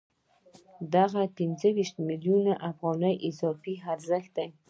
دغه پنځه ویشت میلیونه افغانۍ اضافي ارزښت دی